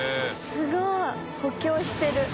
すごい補強してる。